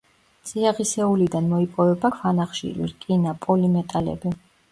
წიაღისეულიდან მოიპოვება ქვანახშირი, რკინა, პოლიმეტალები.